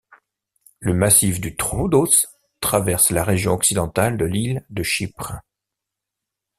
Le massif du Troodos traverse la région occidentale de l'île de Chypre.